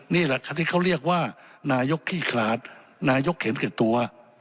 นี่แหละที่เขาเรียกว่านายกขี้ขลาดนายกเห็นตัว